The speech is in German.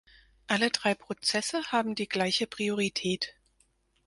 Alle drei Prozesse haben die gleiche Priorität.